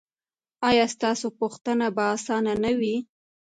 ایا ستاسو پوښتنه به اسانه نه وي؟